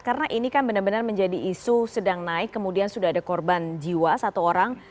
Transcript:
karena ini kan benar benar menjadi isu sedang naik kemudian sudah ada korban jiwa satu orang